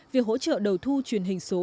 việc hỗ trợ đầu thu truyền hình số